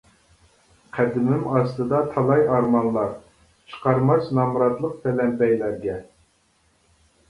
قەدىمىم ئاستىدا تالاي ئارمانلار، چىقارماس نامراتلىق پەلەمپەيلەرگە.